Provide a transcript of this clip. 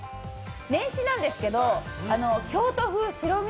年始なんですけど、京都府白み